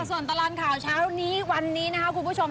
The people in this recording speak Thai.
ส่วนตลอดข่าวเช้านี้วันนี้นะครับคุณผู้ชม